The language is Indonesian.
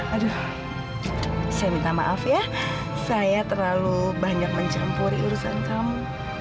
aduh saya minta maaf ya saya terlalu banyak mencampuri urusan kamu